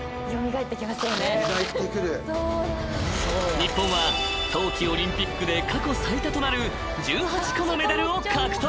［日本は冬季オリンピックで過去最多となる１８個のメダルを獲得］